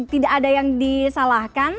tidak ada yang disalahkan